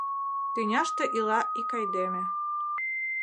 Тӱняште ила ик айдеме